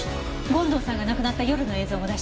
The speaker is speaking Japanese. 権藤さんが亡くなった夜の映像も出して。